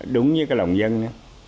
đúng với cái lòng dân đó